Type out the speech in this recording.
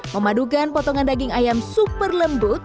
memadukan potongan daging ayam super lembut